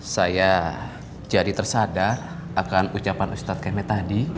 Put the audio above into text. saya jadi tersadar akan ucapan ustadz kemen tadi